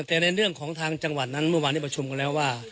แต่ในเรื่องของทางจังหวัดนั้นเมื่อวานที่ประชุมกันแล้วว่า